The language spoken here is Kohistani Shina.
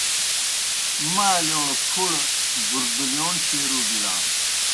مالِیؤ پُھڑہ بُردِلِیون شیروع بِلان۔